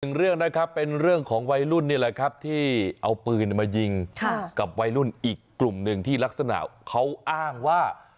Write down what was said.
เรื่องนะครับเป็นเรื่องของวัยรุ่นนี่แหละครับที่เอาปืนมายิงกับวัยรุ่นอีกกลุ่มหนึ่งที่ลักษณะเขาอ้างว่า